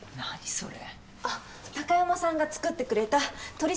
それ。